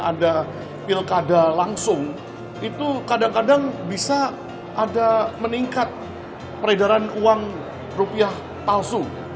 ada pilkada langsung itu kadang kadang bisa ada meningkat peredaran uang rupiah palsu